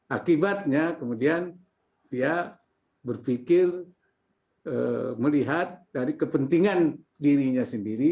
akibatnya kemudian dia berpikir melihat dari kepentingan dirinya sendiri